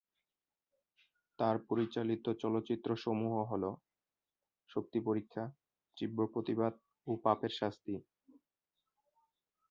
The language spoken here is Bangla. তার পরিচালিত চলচ্চিত্রসমূহ হল "শক্তি পরীক্ষা", "তীব্র প্রতিবাদ", ও "পাপের শাস্তি"।